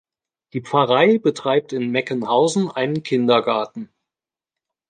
Die Pfarrei betreibt in Meckenhausen einen Kindergarten.